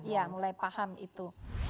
ya mulai paham itu